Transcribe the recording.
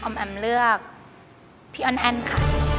อ๋อมแอ๋มเลือกพี่ออนแอนค่ะ